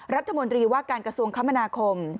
รัฐมนตรีว่าการกระทรวงคมนาคม